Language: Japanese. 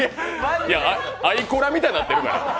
アイコラみたいになってるから。